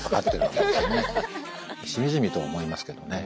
しみじみと思いますけどね。